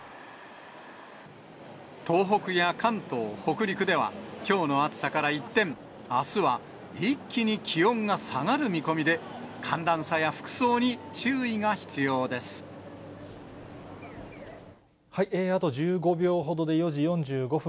東北や関東、北陸では、きょうの暑さから一転、あすは一気に気温が下がる見込みで、あと１５秒ほどで４時４５分、